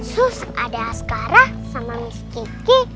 sus ada askara sama miss kiki